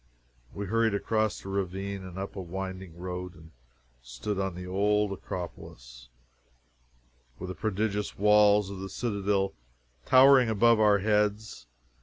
We hurried across the ravine and up a winding road, and stood on the old Acropolis, with the prodigious walls of the citadel towering above our heads.